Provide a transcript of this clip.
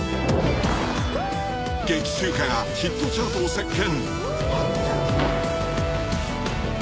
［劇中歌がヒットチャートを席巻］